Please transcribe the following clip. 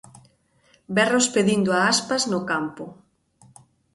Berros pedindo a Aspas no campo.